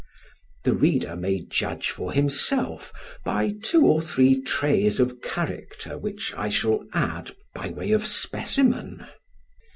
The reader may judge for himself by two or three traits of character, which I shall add by way of specimen.